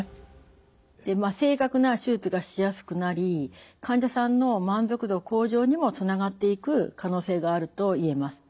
で正確な手術がしやすくなり患者さんの満足度向上にもつながっていく可能性があると言えます。